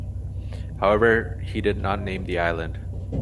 However, he did not name the island.